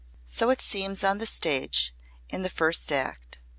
So it seems on the stage, in the first act.